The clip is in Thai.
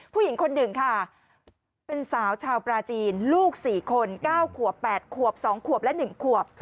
ผู้หญิงคนหนึ่งค่ะเป็นสาวชาวปราจีนลูก๔คน๙ขวบ๘ขวบ๒ขวบและ๑ขวบ